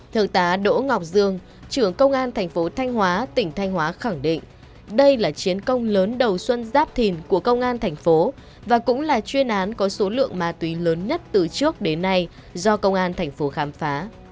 thượng tá đỗ ngọc dương trưởng công an tp thanh hóa tỉnh thanh hóa khẳng định đây là chiến công lớn đầu xuân giáp thìn của công an tp và cũng là chuyên án có số lượng ma túy lớn nhất từ trước đến nay do công an tp khám phá